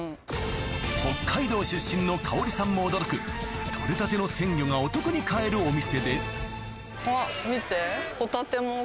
北海道出身の香織さんも驚く取れたての鮮魚がお得に買えるお店であっ。